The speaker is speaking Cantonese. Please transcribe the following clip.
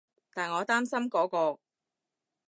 但我擔心嗰個